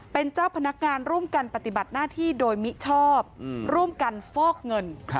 เป็นเจ้าพนักงานร่วมกันปฏิบัติหน้าที่โดยมิชอบร่วมกันฟอกเงิน